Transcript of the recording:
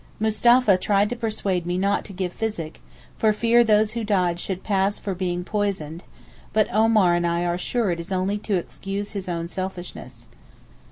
Mustapha tried to persuade me not to give physick, for fear those who died should pass for being poisoned, but both Omar and I are sure it is only to excuse his own selfishness.